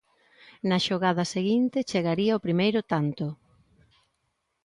Na xogada seguinte chegaría o primeiro tanto.